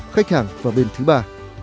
khách hàng và bên thứ ba